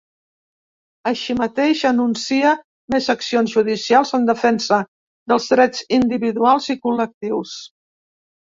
Així mateix, anuncia més accions judicials en defensa dels drets individuals i col·lectius.